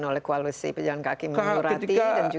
bukan oleh koalisi penjalan kaki menyurati